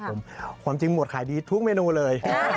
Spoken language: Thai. ผมความจริงหมวดขายดีทุกเมนูเลย